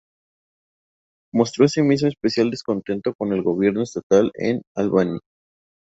Mostró asimismo especial descontento con el gobierno estatal en Albany.